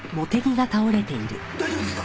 大丈夫ですか？